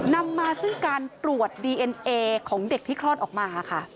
นำมาซึ่งการตรวจดีเอ็นเอของเด็กที่คลอดออกมาค่ะ